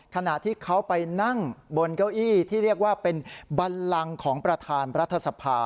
ขณะที่เขาไปนั่งบนเก้าอี้ที่เรียกว่าเป็นบันลังของประธานรัฐสภา